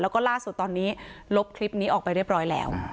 แล้วก็ล่าสุดตอนนี้ลบคลิปนี้ออกไปเรียบร้อยแล้ว